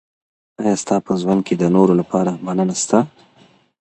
ایا ستا په ژوند کي د نورو لپاره مننه سته؟